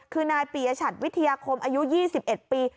คือนายปียชัดวิทยาคมอายุ๒๑ปี